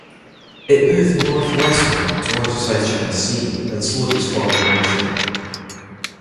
It moved northwestward through the South China Sea and slowed its forward motion.